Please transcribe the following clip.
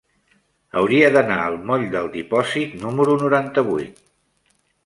Hauria d'anar al moll del Dipòsit número noranta-vuit.